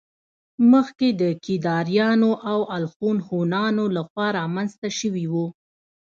مخکې د کيداريانو او الخون هونانو له خوا رامنځته شوي وو